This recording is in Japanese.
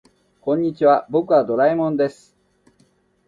こんにちは、僕はドラえもんです。